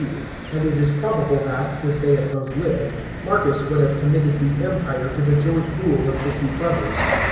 D., and it is probable that, if they had both lived, Marcus would have committed the Empire to the joint rule of the two brothers.